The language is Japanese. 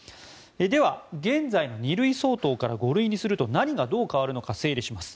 では、現在の２類相当から５類にすると何がどう変わるのか整理します。